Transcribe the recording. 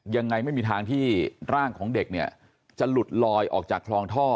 ยังไงไม่มีทางที่ร่างของเด็กเนี่ยจะหลุดลอยออกจากคลองท่อ